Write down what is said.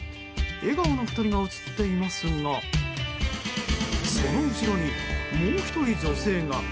笑顔の２人が写っていますがその後ろに、もう１人女性が。